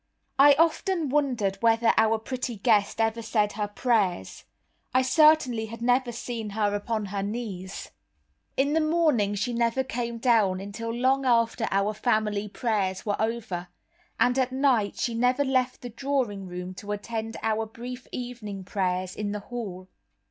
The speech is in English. I often wondered whether our pretty guest ever said her prayers. I certainly had never seen her upon her knees. In the morning she never came down until long after our family prayers were over, and at night she never left the drawing room to attend our brief evening prayers in the hall.